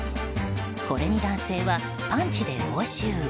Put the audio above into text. これに男性は、パンチで応酬。